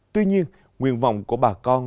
tuy nhiên nguyên vọng của bà con